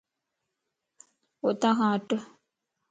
اتا کان ھٽ